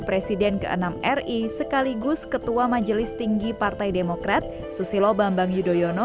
presiden ke enam ri sekaligus ketua majelis tinggi partai demokrat susilo bambang yudhoyono